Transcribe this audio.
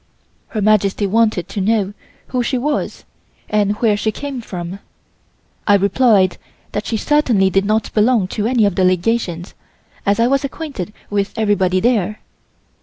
Her Majesty wanted to know who she was and where she came from. I replied that she certainly did not belong to any of the Legations as I was acquainted with everybody there.